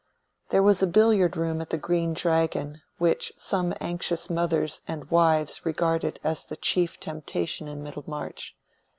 There was a billiard room at the Green Dragon, which some anxious mothers and wives regarded as the chief temptation in Middlemarch.